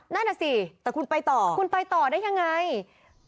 นั่นแหละสิคุณไปต่อได้อย่างไรนั่นสิคุณไปต่อ